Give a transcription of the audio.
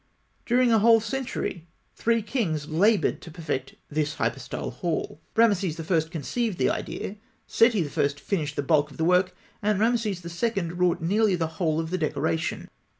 During a whole century, three kings laboured to perfect this hypostyle hall. Rameses I. conceived the idea; Seti I. finished the bulk of the work, and Rameses II. wrought nearly the whole of the decoration.